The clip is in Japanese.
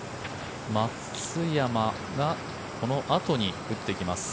松山がこのあとに打ってきます。